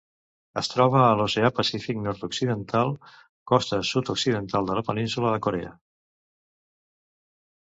Es troba a l'Oceà Pacífic nord-occidental: costa sud-occidental de la Península de Corea.